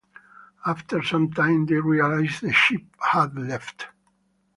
After some time they realized the ship had left.